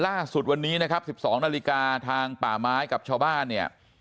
ล่าสุดวันนี้นะครับ๑๒นาฬิกาทางป่าไม้กับชาวบ้านเนี่ย